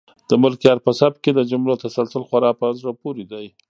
د ملکیار په سبک کې د جملو تسلسل خورا په زړه پورې دی.